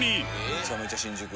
めちゃめちゃ新宿。